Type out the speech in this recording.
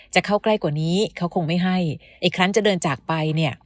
จะเข้าใกล้กว่านี้เขาคงไม่ให้อีกครั้งจะเดินจากไปเนี่ย